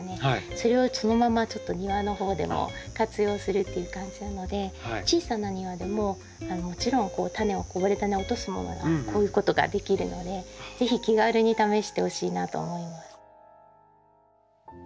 それをそのままちょっと庭のほうでも活用するっていう感じなので小さな庭でももちろんタネをこぼれダネを落とすものならこういうことができるのでぜひ気軽に試してほしいなと思います。